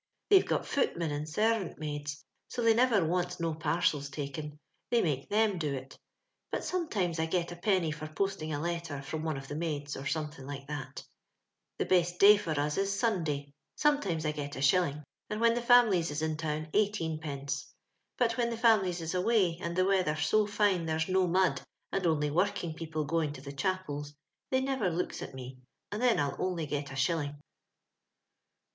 They've got footmen and servant maids, so they never wants no parcels taken — they make them do it; but sometimes I get a penny for posting a letter from one of the maids, or something like that <* The best day for ns is Sunday. Some times I get a shilling, and when the families is in town eighteen pence. But when the families is away, and the weather so fine there's no mud, and only working people going to the chapels, they never looks at me, and then I'll only get a shilling."